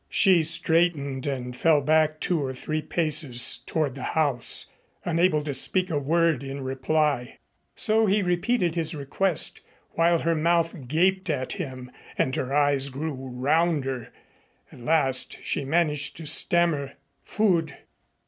She straightened and fell back two or three paces toward the house, unable to speak a word in reply. So he repeated his request, while her mouth gaped at him and her eyes grew rounder. At last she managed to stammer, "Food!